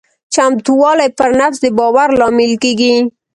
چمتووالی پر نفس د باور لامل کېږي.